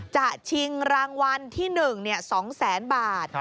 จะชิงรางวัลที่หนึ่ง๒แสนบาท